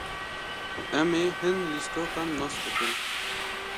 Em ê hin lîstokan nas bikin.